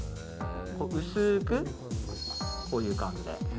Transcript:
薄く、こういう感じで。